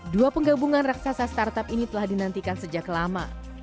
dua penggabungan raksasa startup ini telah dinantikan sejak lama